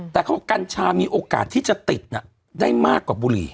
แต่เขาบอกกัญชามีโอกาสที่จะติดได้มากกว่าบุหรี่